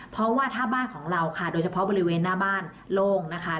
เพราะว่าถ้าบ้านของเราค่ะโดยเฉพาะบริเวณหน้าบ้านโล่งนะคะ